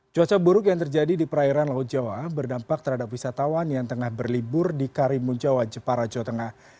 cuaca buruk yang terjadi di perairan laut jawa berdampak terhadap wisatawan yang tengah berlibur di karimun jawa jepara jawa tengah